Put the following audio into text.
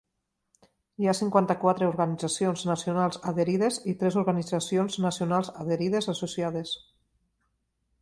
Hi ha cinquanta-quatre organitzacions nacionals adherides i tres organitzacions nacionals adherides associades.